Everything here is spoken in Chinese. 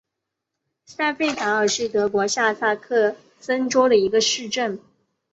塞费塔尔是德国下萨克森州的一个市镇。